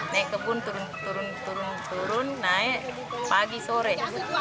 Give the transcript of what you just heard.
naik kebun turun turun turun naik pagi sore